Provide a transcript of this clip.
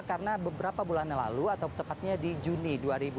karena beberapa bulan lalu atau tepatnya di juni dua ribu tujuh belas